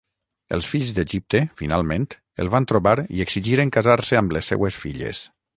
Els fills d'Egipte, finalment, el van trobar i exigiren casar-se amb les seues filles.